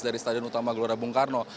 dari stadion utama gelora bung karno